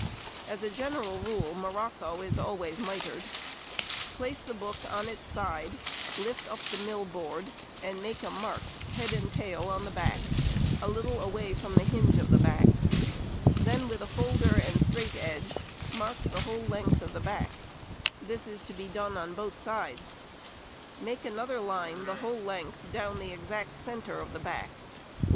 As a general rule morocco is always mitred. Place the book on its side, lift up the mill board, and make a mark head and tail on the back, a little away from the hinge of the back. Then with a folder and straight edge mark the whole length of the back: this is to be done on both sides. Make another line the whole length down the exact centre of the back.